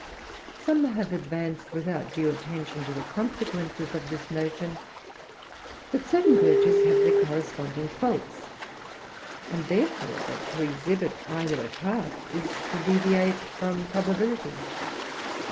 Some have advanced, without due attention to the con sequences of this notion, that certain virtues have their correspondent faults, and therefore that to exhibit either apart is to deviate from probability.